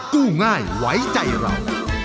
กู้ง่ายไว้ใจเรา